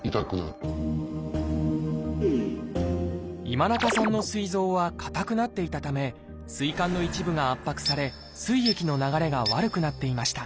今中さんのすい臓は硬くなっていたためすい管の一部が圧迫されすい液の流れが悪くなっていました。